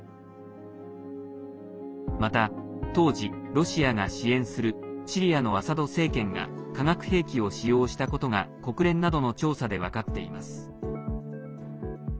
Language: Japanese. また当時、ロシアが支援するシリアのアサド政権が化学兵器を使用したことが国連などの調査で分かっています。